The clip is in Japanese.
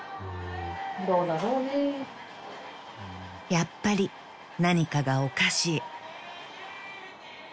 ［やっぱり何かがおかしい］